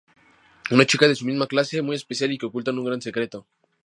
Una chica de su misma clase, muy especial y que oculta un gran secreto.